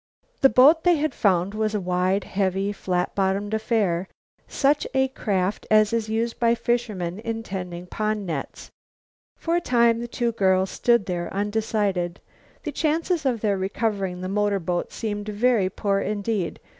The boat they had found was a wide, heavy, flat bottomed affair, such a craft as is used by fishermen in tending pond nets. For a time the two girls stood there undecided. The chances of their recovering the motorboat seemed very poor indeed.